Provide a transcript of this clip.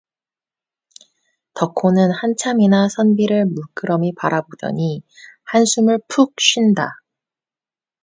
덕호는 한참이나 선비를 물끄러미 바라보더니 한숨을 푹 쉰다.